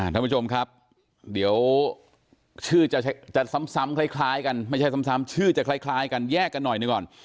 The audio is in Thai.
ท่านผู้ชมครับเดี๋ยวชื่อจะคล้ายกันแยกกันหน่อยหนึ่งก่อน